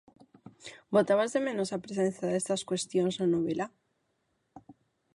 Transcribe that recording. Botabas de menos a presenza destas cuestións na novela?